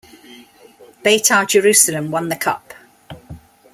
Beitar Jerusalem won the cup.